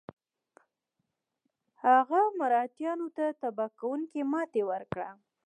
هغه مرهټیانو ته تباه کوونکې ماته ورکړه.